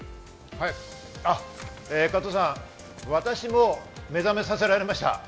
加藤さん、私も目覚めさせられました。